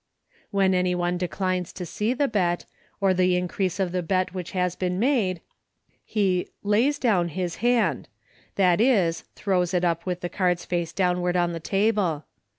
When any one declines to see the bet, or the increase of bet which has been made, he " lays down ;; his hand, that is, throws it up with the cards face downward on the table.